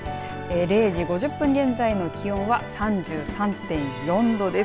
０時５０分現在の気温は３３．４度です。